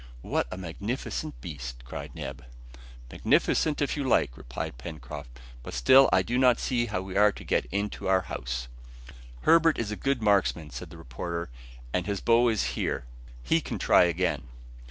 "What a magnificent beast!" cried Neb. "Magnificent, if you like," replied Pencroft; "but still I do not see how we are to get into our house." "Herbert is a good marksman," said the reporter, "and his bow is here. He can try again."